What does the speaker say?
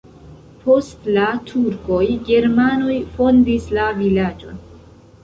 Post la turkoj germanoj fondis la vilaĝon.